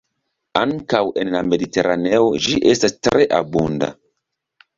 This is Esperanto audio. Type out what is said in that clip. Ankaŭ en la Mediteraneo ĝi estas tre abunda.